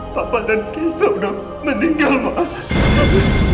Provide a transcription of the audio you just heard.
papa dan kiesa udah meninggal maafin